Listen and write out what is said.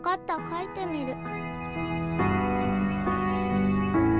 かいてみる。